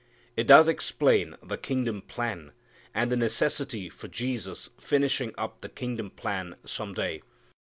It does explain the kingdom plan, and the necessity for Jesus finishing up the kingdom plan some day.